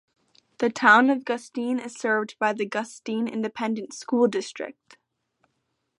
The Town of Gustine is served by the Gustine Independent School District.